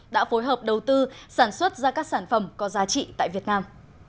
đã phối hợp đầu tư sản xuất ra các sản phẩm có giá trị tại việt nam